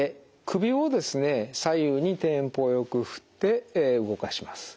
左右にテンポよく振って動かします。